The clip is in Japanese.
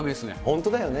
本当だよね。